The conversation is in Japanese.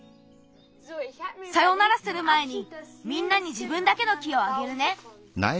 さよならするまえにみんなにじぶんだけの木をあげるね。